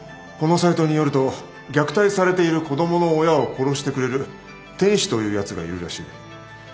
このサイトによると虐待されている子供の親を殺してくれる天使というやつがいるらしい。